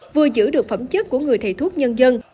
vừa giữ được phẩm chất của người thầy thuốc nhân dân